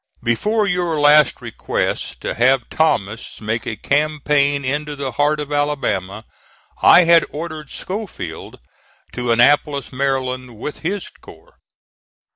Before your last request to have Thomas make a campaign into the heart of Alabama, I had ordered Schofield to Annapolis, Md., with his corps.